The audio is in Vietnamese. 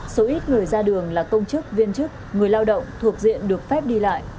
số ít người ra đường là công chức viên chức người lao động thuộc diện được phép đi lại